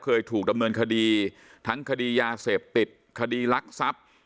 เคยถูกดำเนินคดีทั้งคดียาเสพติดคดีลักทรัพย์